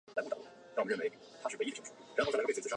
董事长及总裁为林国荣。